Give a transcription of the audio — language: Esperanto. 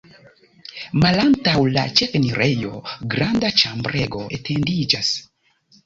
Malantaŭ la ĉefenirejo granda ĉambrego etendiĝas.